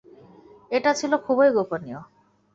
এটা ছিল খুবই গোপনীয়।